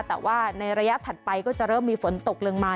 แต่ว่าในระยะถัดไปก็จะเริ่มมีฝนตกลงมา